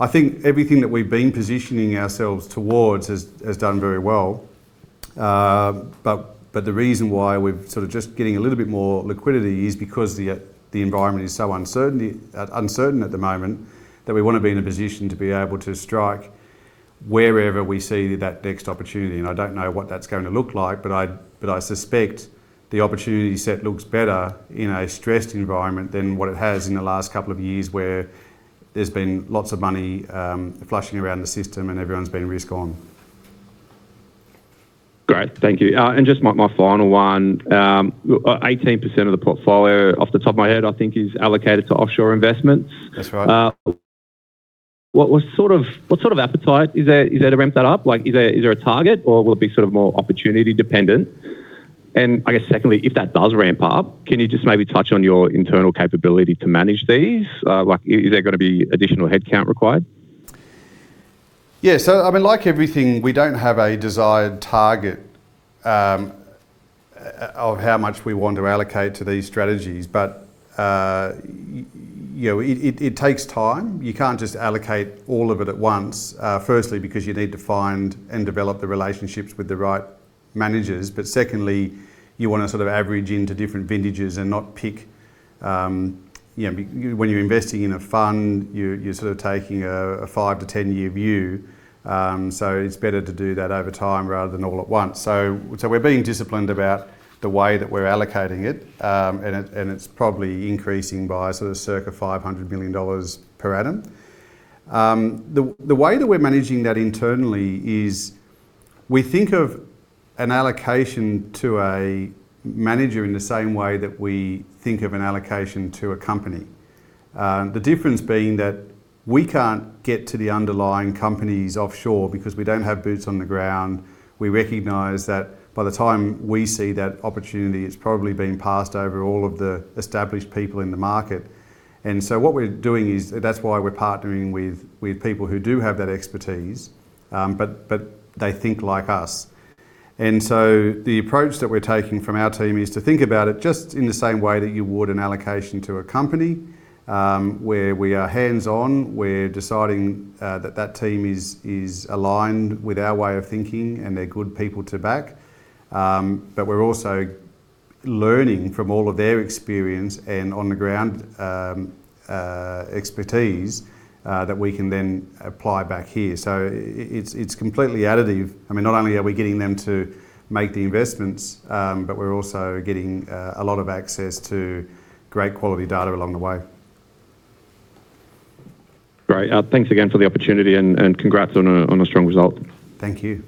I think everything that we've been positioning ourselves towards has done very well. The reason why we're sort of just getting a little bit more liquidity is because the environment is so uncertain at the moment that we wanna be in a position to be able to strike wherever we see that next opportunity. I don't know what that's going to look like? I suspect the opportunity set looks better in a stressed environment than what it has in the last couple of years where there's been lots of money flushing around the system and everyone's been risk on. Great. Thank you. Just my final one, 18% of the portfolio off the top of my head, I think is allocated to offshore investments? That's right. What sort of appetite is there to ramp that up? Like, is there a target or will it be sort of more opportunity dependent? I guess secondly, if that does ramp up, can you just maybe touch on your internal capability to manage these? Like, is there gonna be additional headcount required? I mean, like everything, we don't have a desired target of how much we want to allocate to these strategies, but you know, it takes time. You can't just allocate all of it at once, firstly because you need to find and develop the relationships with the right managers, but secondly, you wanna sort of average into different vintages and not pick. When you're investing in a fund, you're sort of taking a five- to 10-year view, so it's better to do that over time rather than all at once. We're being disciplined about the way that we're allocating it, and it's probably increasing by sort of circa 500 million dollars per annum. The way that we're managing that internally is we think of an allocation to a manager in the same way that we think of an allocation to a company. The difference being that we can't get to the underlying companies offshore because we don't have boots on the ground. We recognize that by the time we see that opportunity, it's probably been passed over all of the established people in the market. What we're doing is that's why we're partnering with people who do have that expertise, but they think like us. The approach that we're taking from our team is to think about it just in the same way that you would an allocation to a company, where we are hands-on, we're deciding that that team is aligned with our way of thinking and they're good people to back. But we're also learning from all of their experience and on-the-ground expertise that we can then apply back here. It's completely additive. I mean, not only are we getting them to make the investments, but we're also getting a lot of access to great quality data along the way. Great. Thanks again for the opportunity and congrats on a strong result. Thank you.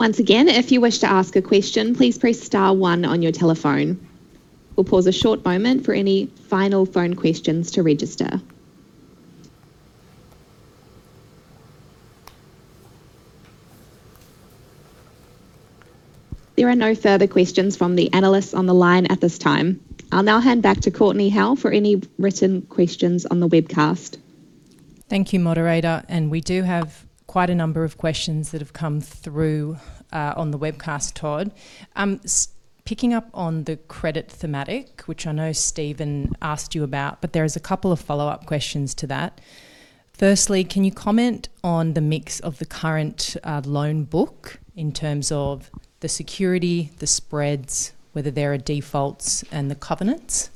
Once again, if you wish to ask a question, please press star one on your telephone. We'll pause a short moment for any final phone questions to register. There are no further questions from the analysts on the line at this time. I'll now hand back to Courtney Howe for any written questions on the webcast. Thank you, moderator. We do have quite a number of questions that have come through on the webcast, Todd. Picking up on the credit thematic, which I know Steven asked you about, but there is a couple of follow-up questions to that. Firstly, can you comment on the mix of the current loan book in terms of the security, the spreads, whether there are defaults, and the covenants?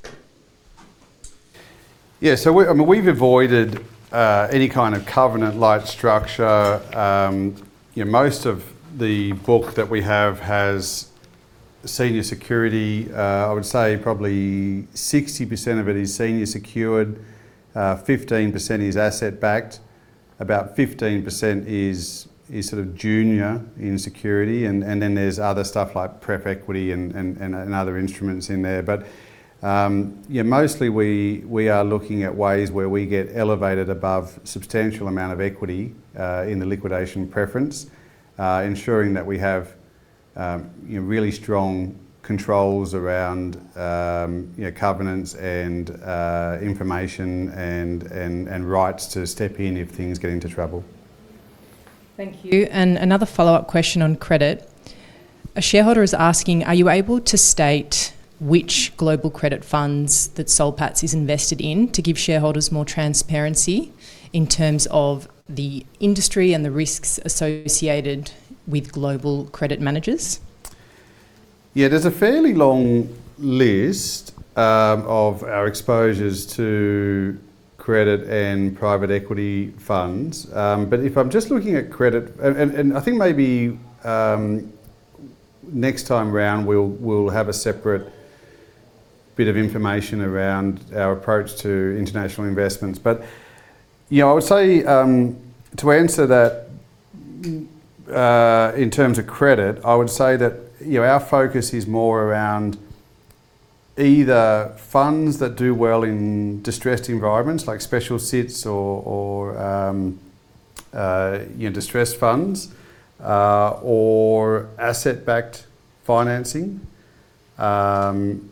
Yeah. We're, I mean, we've avoided any kind of covenant light structure. You know, most of the book that we have has senior security. I would say probably 60% of it is senior secured, 15% is asset backed, about 15% is sort of junior in security, and then there's other stuff like pref equity and other instruments in there. Mostly we are looking at ways where we get elevated above substantial amount of equity in the liquidation preference, ensuring that we have you know, really strong controls around you know, covenants and information and rights to step in if things get into trouble. Thank you. Another follow-up question on credit. A shareholder is asking, are you able to state which global credit funds that Soul Patts is invested in to give shareholders more transparency in terms of the industry and the risks associated with global credit managers? Yeah. There's a fairly long list of our exposures to credit and private equity funds. If I'm just looking at credit, I think maybe next time round, we'll have a separate bit of information around our approach to international investments. You know, I would say to answer that, in terms of credit, I would say that, you know, our focus is more around either funds that do well in distressed environments like special sits or distressed funds or asset-backed financing. You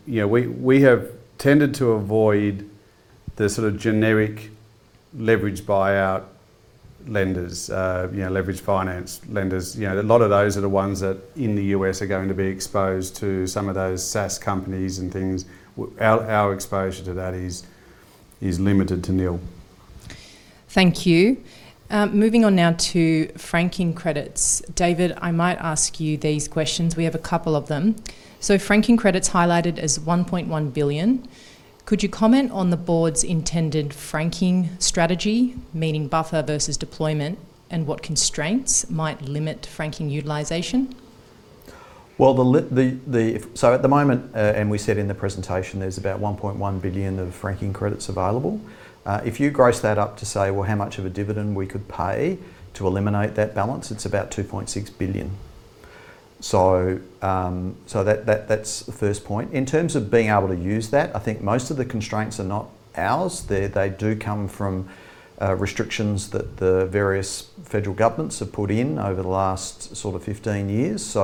know, we have tended to avoid the sort of generic leveraged buyout lenders, you know, leveraged finance lenders. You know, a lot of those are the ones that in the U.S. are going to be exposed to some of those SaaS companies and things. Our exposure to that is limited to nil. Thank you. Moving on now to franking credits. David, I might ask you these questions. We have a couple of them. Franking credits highlighted as 1.1 billion. Could you comment on the board's intended franking strategy, meaning buffer versus deployment, and what constraints might limit franking utilization? Well, at the moment, and we said in the presentation, there's about 1.1 billion of franking credits available. If you gross that up to say, well, how much of a dividend we could pay to eliminate that balance, it's about 2.6 billion. That's the first point. In terms of being able to use that, I think most of the constraints are not ours. They do come from restrictions that the various federal governments have put in over the last sort of 15 years.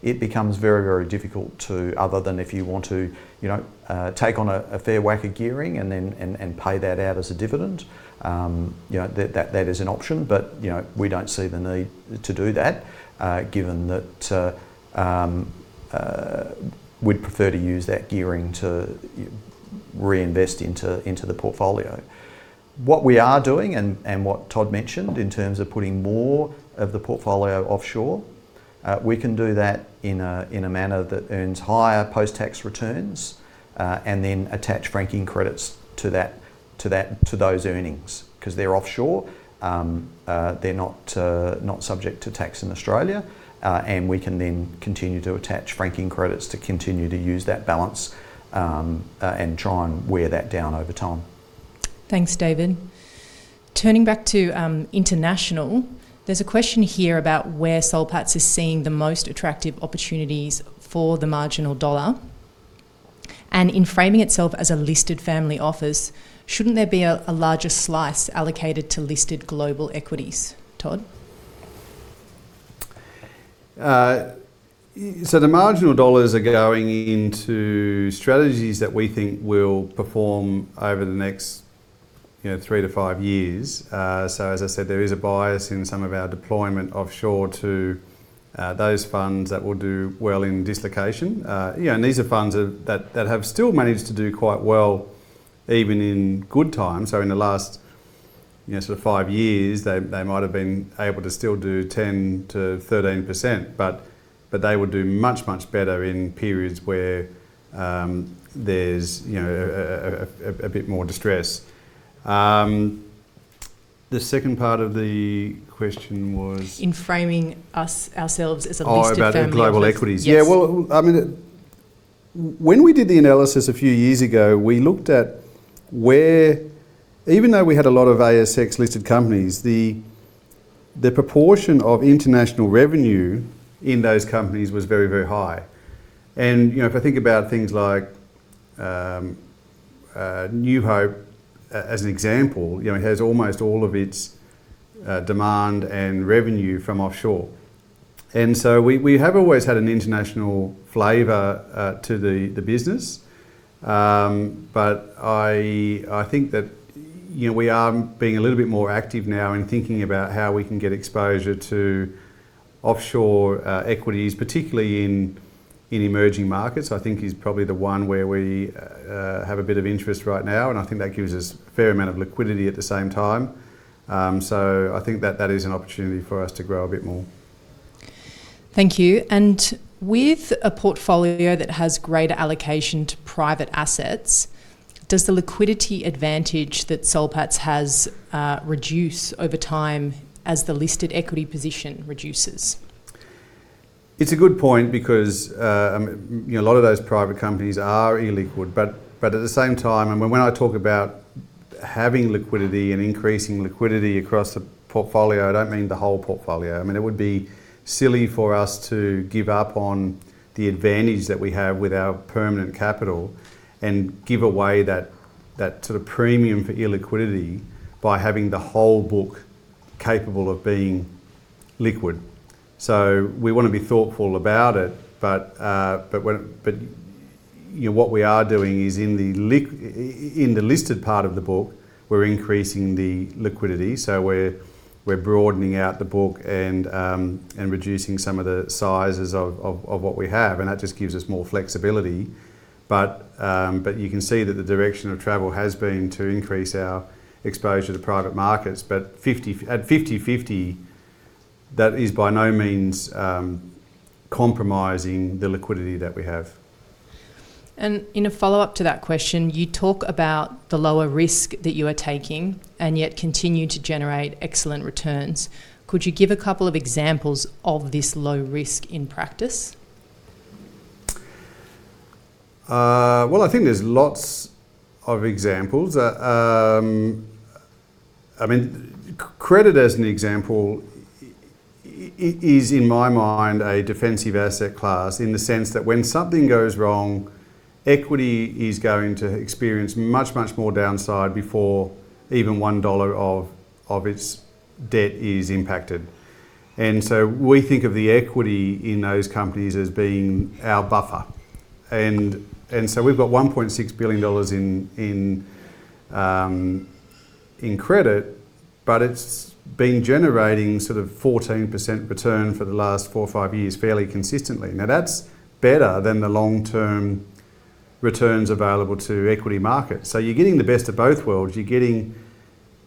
It becomes very difficult to other than if you want to, you know, take on a fair whack of gearing and then pay that out as a dividend. You know, that is an option. You know, we don't see the need to do that, given that, we'd prefer to use that gearing to reinvest into the portfolio. What we are doing and what Todd mentioned in terms of putting more of the portfolio offshore, we can do that in a manner that earns higher post-tax returns, and then attach franking credits to those earnings. 'Cause they're offshore, they're not subject to tax in Australia, and we can then continue to attach franking credits to continue to use that balance, and try and wear that down over time. Thanks, David. Turning back to international, there's a question here about where Soul Patts is seeing the most attractive opportunities for the marginal dollar. In framing itself as a listed family office, shouldn't there be a larger slice allocated to listed global equities? Todd? The marginal dollars are going into strategies that we think will perform over the next, you know, three to five years. As I said, there is a bias in some of our deployment offshore to those funds that will do well in dislocation. You know, these are funds that have still managed to do quite well even in good times, so in the last, you know, sort of five years, they might have been able to still do 10%-13%, but they would do much better in periods where there's, you know, a bit more distress. The second part of the question was? In framing us, ourselves as a listed family office. Oh, about the global equities. Yeah, well, I mean, when we did the analysis a few years ago, we looked at where, even though we had a lot of ASX-listed companies, the proportion of international revenue in those companies was very, very high. You know, if I think about things like New Hope as an example, you know, it has almost all of its demand and revenue from offshore. So we have always had an international flavor to the business. But I think that, you know, we are being a little bit more active now in thinking about how we can get exposure to offshore equities, particularly in emerging markets, I think, is probably the one where we have a bit of interest right now, and I think that gives us a fair amount of liquidity at the same time. I think that is an opportunity for us to grow a bit more. Thank you. With a portfolio that has greater allocation to private assets, does the liquidity advantage that Soul Patts has reduced over time as the listed equity position reduces? It's a good point because, you know, a lot of those private companies are illiquid, but at the same time, I mean, when I talk about having liquidity and increasing liquidity across the portfolio, I don't mean the whole portfolio. I mean, it would be silly for us to give up on the advantage that we have with our permanent capital and give away that sort of premium for illiquidity by having the whole book capable of being liquid. So we want to be thoughtful about it, but when you know what we are doing is in the listed part of the book, we're increasing the liquidity. So we're broadening out the book and reducing some of the sizes of what we have, and that just gives us more flexibility. You can see that the direction of travel has been to increase our exposure to private markets, but at 50/50, that is by no means compromising the liquidity that we have. In a follow-up to that question, you talk about the lower risk that you are taking and yet continue to generate excellent returns. Could you give a couple of examples of this low risk in practice? Well, I think there's lots of examples. I mean, credit as an example is in my mind a defensive asset class in the sense that when something goes wrong, equity is going to experience much more downside before even one dollar of its debt is impacted. We've got 1.6 billion dollars in credit, but it's been generating sort of 14% return for the last four or five years fairly consistently. Now, that's better than the long-term returns available to equity markets. You're getting the best of both worlds. You're getting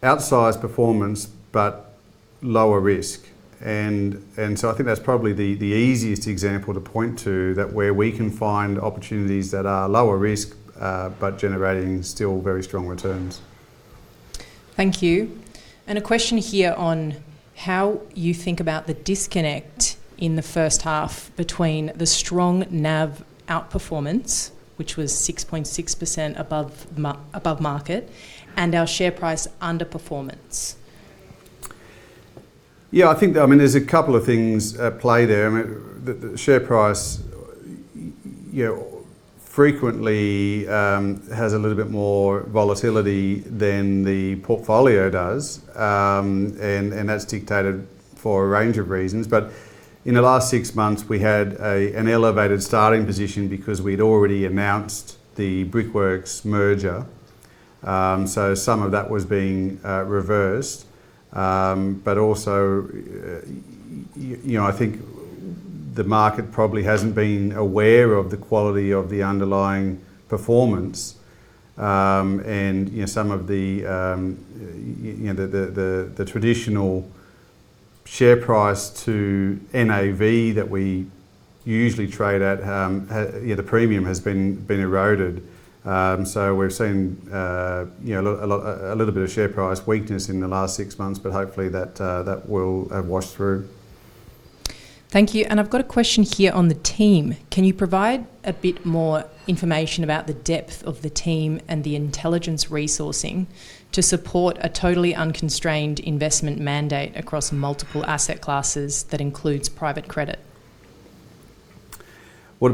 outsized performance but lower risk. I think that's probably the easiest example to point to that where we can find opportunities that are lower risk, but generating still very strong returns. Thank you. A question here on how you think about the disconnect in the first half between the strong NAV outperformance, which was 6.6% above market, and our share price underperformance. Yeah, I think, I mean, there's a couple of things at play there. I mean, the share price, you know, frequently has a little bit more volatility than the portfolio does. That's dictated for a range of reasons. In the last six months, we had an elevated starting position because we'd already announced the Brickworks merger. Some of that was being reversed. Also, you know, I think the market probably hasn't been aware of the quality of the underlying performance. You know, some of the, you know, the traditional share price to NAV that we usually trade at, you know, the premium has been eroded. We've seen, you know, a lot. A little bit of share price weakness in the last six months, but hopefully that will wash through. Thank you. I've got a question here on the team. Can you provide a bit more information about the depth of the team and the intelligence resourcing to support a totally unconstrained investment mandate across multiple asset classes that includes private credit? Well,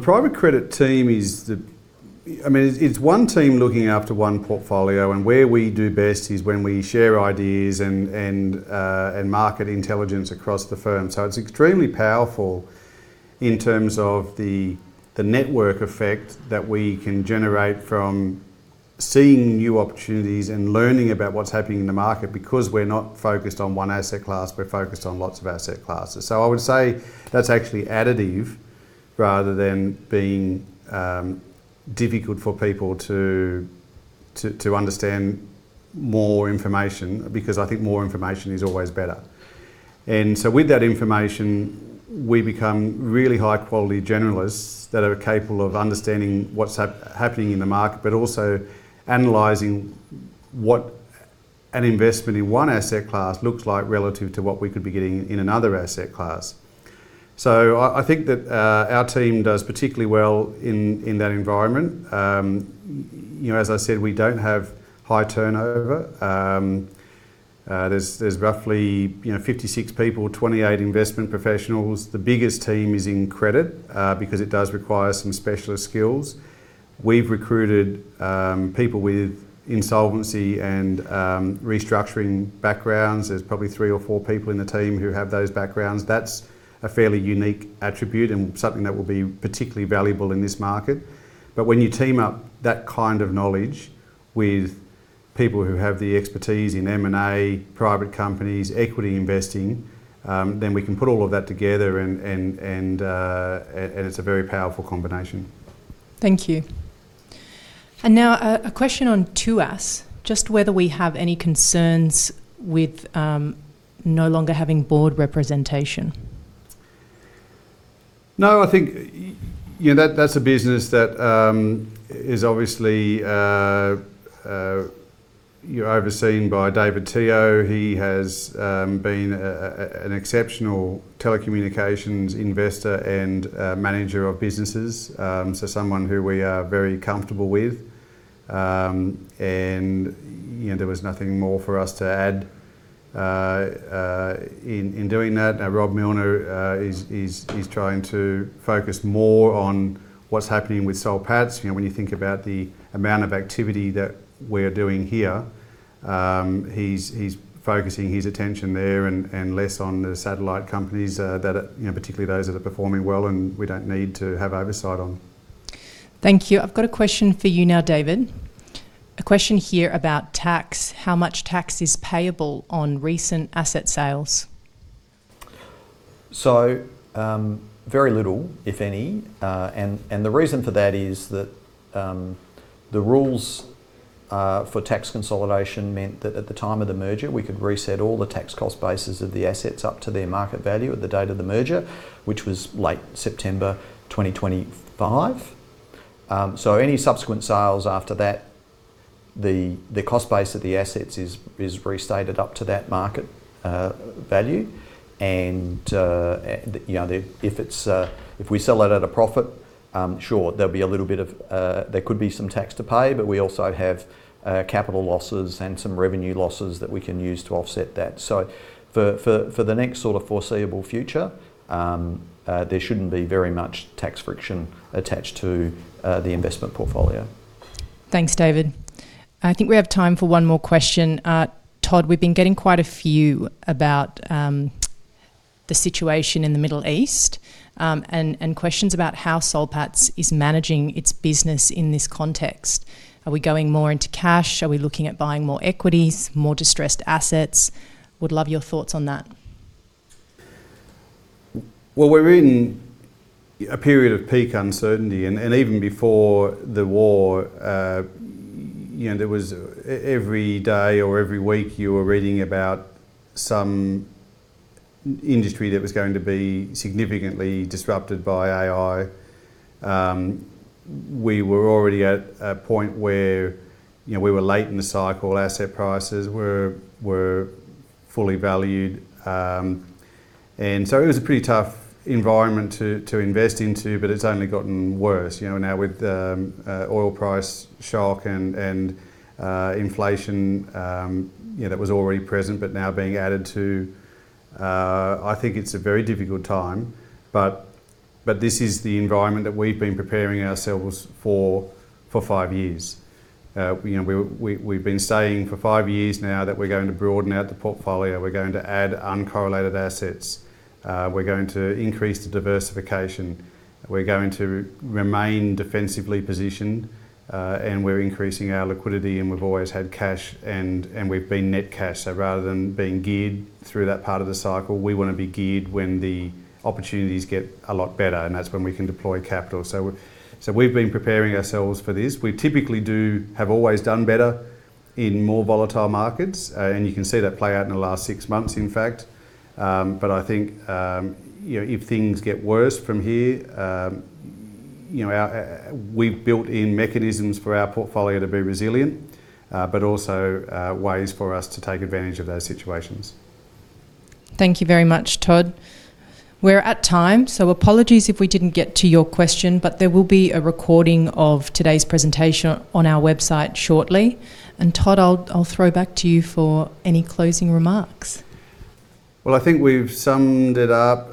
I mean, it's one team looking after one portfolio, and where we do best is when we share ideas and market intelligence across the firm. It's extremely powerful in terms of the network effect that we can generate from seeing new opportunities and learning about what's happening in the market because we're not focused on one asset class, we're focused on lots of asset classes. I would say that's actually additive. Rather than being difficult for people to understand more information, because I think more information is always better. With that information, we become really high quality generalists that are capable of understanding what's happening in the market, but also analyzing what an investment in one asset class looks like relative to what we could be getting in another asset class. I think that our team does particularly well in that environment. You know, as I said, we don't have high turnover. There's roughly, you know, 56 people, 28 investment professionals. The biggest team is in credit because it does require some specialist skills. We've recruited people with insolvency and restructuring backgrounds. There's probably three or four people in the team who have those backgrounds. That's a fairly unique attribute and something that will be particularly valuable in this market. When you team up that kind of knowledge with people who have the expertise in M&A, private companies, equity investing, then we can put all of that together and it's a very powerful combination. Thank you. Now a question on Tuas, just whether we have any concerns with no longer having board representation? No, I think you know, that's a business that is obviously overseen by David Teoh. He has been an exceptional telecommunications investor and a manager of businesses, so someone who we are very comfortable with. You know, there was nothing more for us to add in doing that. Rob Millner is trying to focus more on what's happening with Soul Patts. You know, when you think about the amount of activity that we're doing here, he's focusing his attention there and less on the satellite companies that are, you know, particularly those that are performing well and we don't need to have oversight on. Thank you. I've got a question for you now, David. A question here about tax. How much tax is payable on recent asset sales? Very little, if any. The reason for that is that the rules for tax consolidation meant that at the time of the merger, we could reset all the tax cost bases of the assets up to their market value at the date of the merger, which was late September 2025. Any subsequent sales after that, the cost base of the assets is restated up to that market value. You know, if we sell that at a profit, sure, there could be some tax to pay, but we also have capital losses and some revenue losses that we can use to offset that. For the next sort of foreseeable future, there shouldn't be very much tax friction attached to the investment portfolio. Thanks, David. I think we have time for one more question. Todd, we've been getting quite a few about the situation in the Middle East, and questions about how Soul Patts is managing its business in this context. Are we going more into cash? Are we looking at buying more equities, more distressed assets? Would love your thoughts on that. Well, we're in a period of peak uncertainty, and even before the war, you know, there was every day or every week you were reading about some industry that was going to be significantly disrupted by AI. We were already at a point where, you know, we were late in the cycle, asset prices were fully valued. It was a pretty tough environment to invest into, but it's only gotten worse, you know, now with the oil price shock and inflation, you know, that was already present, but now being added to. I think it's a very difficult time, but this is the environment that we've been preparing ourselves for five years. You know, we've been saying for five years now that we're going to broaden out the portfolio, we're going to add uncorrelated assets, we're going to increase the diversification, we're going to remain defensively positioned, and we're increasing our liquidity, and we've always had cash and we've been net cash. Rather than being geared through that part of the cycle, we wanna be geared when the opportunities get a lot better, and that's when we can deploy capital. We've been preparing ourselves for this. We have always done better in more volatile markets, and you can see that play out in the last six months, in fact. I think, you know, if things get worse from here, you know, our... We've built in mechanisms for our portfolio to be resilient, but also, ways for us to take advantage of those situations. Thank you very much, Todd. We're at time, so apologies if we didn't get to your question, but there will be a recording of today's presentation on our website shortly. Todd, I'll throw back to you for any closing remarks. Well, I think we've summed it up.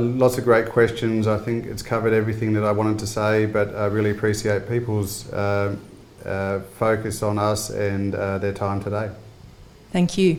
Lots of great questions. I think it's covered everything that I wanted to say, but I really appreciate people's focus on us and their time today. Thank you.